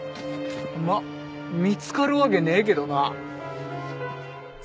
まあ見つかるわけねえけどな。